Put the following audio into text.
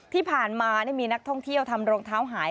ที่ผ่านมามีนักท่องเที่ยวทำรองเท้าหาย